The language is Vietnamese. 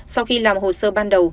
sau khi làm hồ sơ ban đầu